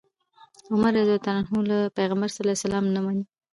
عمر رضي الله عنه وويل: له پيغمبر عليه السلام نه مي